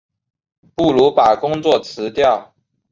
不如把工作辞掉